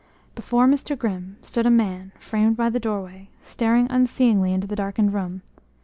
Before Mr. Grimm stood a man, framed by the doorway, staring unseeingly into the darkened room.